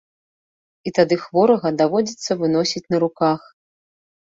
І тады хворага даводзіцца выносіць на руках.